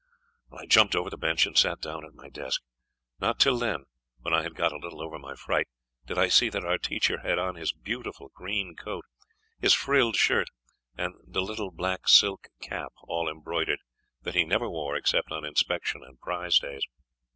I jumped over the bench and sat down at my desk. Not till then, when I had got a little over my fright, did I see that our teacher had on his beautiful green coat, his frilled shirt, and the little black silk cap, all embroidered, that he never wore except on inspection and prize days.